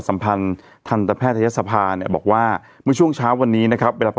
มันไปแอบอยู่ตรงไหนนะพี่